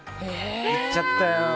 言っちゃったよ。